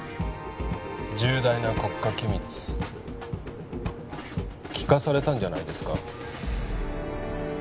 重大な国家機密聞かされたんじゃないですか？